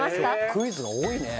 クイズが多いね。